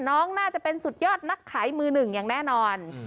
น่าจะเป็นสุดยอดนักขายมือหนึ่งอย่างแน่นอน